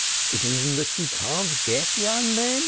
It isn't that she can't get young men.